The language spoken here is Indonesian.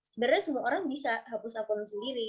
sebenarnya semua orang bisa hapus akun sendiri